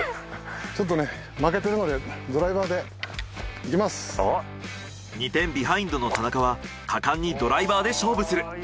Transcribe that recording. ちょっとね２点ビハインドの田中は果敢にドライバーで勝負する。